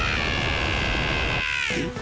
えっ？